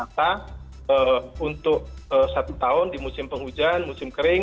kondisi air tanah jakarta untuk satu tahun di musim penghujan musim kering